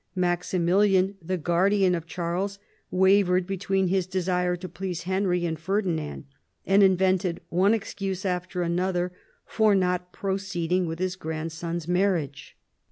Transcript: Maximilian, the guardian of Charles, wavered between his desire to please Henry and Ferdinand, and invented one excuse after another for not proceeding with his grandson's marriage.